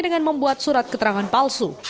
dengan membuat surat keterangan palsu